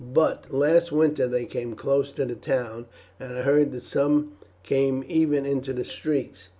"But last winter they came close to the town, and I heard that some came even into the streets."